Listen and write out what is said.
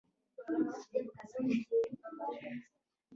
چې پاچا څوارلسم په یوازې ځان اداره کوله.